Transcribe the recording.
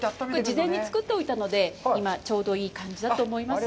事前に作っておいたので、今、ちょうどいい感じだと思います。